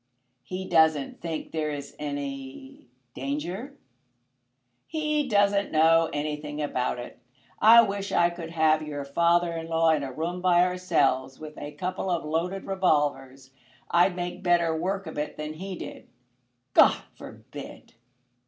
"He doesn't think there is any danger?" "He doesn't know anything about it. I wish I could have your father in law in a room by ourselves, with a couple of loaded revolvers. I'd make better work of it than he did." "God forbid!"